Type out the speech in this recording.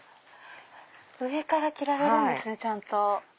上から着られるんですねちゃんと。